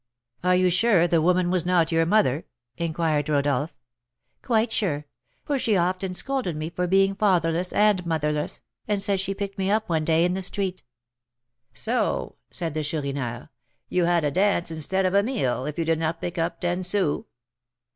"Are you sure the woman was not your mother?" inquired Rodolph. "Quite sure; for she often scolded me for being fatherless and motherless, and said she picked me up one day in the street." "So," said the Chourineur, "you had a dance instead of a meal, if you did not pick up ten sous?"